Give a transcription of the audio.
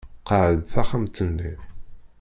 Qɛed taxxamt-nni.